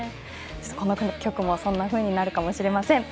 この曲もそんなふうになるかもしれません。